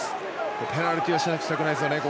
ペナルティーはしたくないですね。